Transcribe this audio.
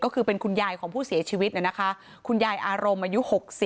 ก็คือเป็นคุณยายของผู้เสียชีวิตนะคะคุณยายอารมณ์อายุ๖๐